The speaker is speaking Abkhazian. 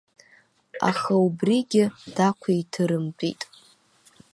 Аха убригьы дақәиҭырымтәит.